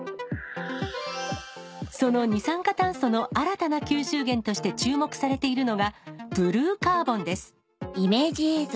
その二酸化炭素の新たな吸収源として注目されているのがブルーカーボンです。